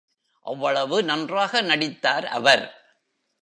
அவ்வளவு நன்றாக நடித்தார் அவர்.